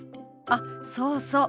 あっそうそう。